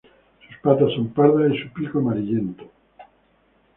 Sus patas son pardas y su pico amarillento.